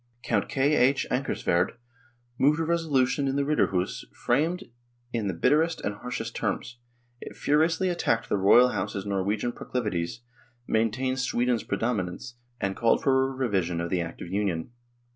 Count K. H. Anckarsvard moved a resolution in the Riddarhus framed in the bitterest and harshest terms ; it furiously attacked the Royal House's Norwegian proclivities, maintained Sweden's predominance, and called for a revision of the Act of Union.